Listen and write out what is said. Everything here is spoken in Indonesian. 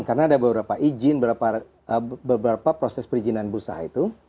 karena ada beberapa izin beberapa proses perizinan berusaha itu